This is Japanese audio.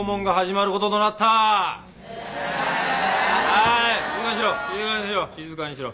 はい静かにしろ。